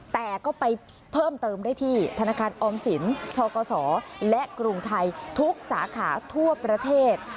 แต่ก็ไปเพิ่มเติมได้ที่ธนาคารออมสินทกศและกรุงไทยทุกสาขาทั่วประเทศ